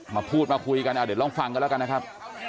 มาพูดมาคุยกันเดี๋ยวลองฟังกันแล้วกันนะครับ